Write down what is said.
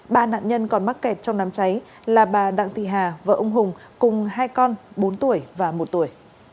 ba nạn nhân còn mắc kẹt trong đám cháy là bà đặng thị hà vợ ông hùng cùng hai con bốn tuổi và một tuổi